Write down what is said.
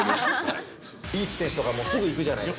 リーチ選手とかもすぐいくじゃないですか。